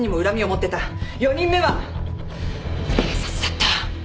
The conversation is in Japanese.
４人目は警察だった。